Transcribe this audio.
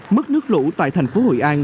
mức nước lũ tại thành phố hội an